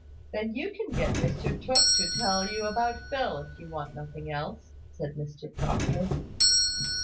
"Then you can get Mr Tooke to tell you about Phil, if you want nothing else," said Mr Proctor.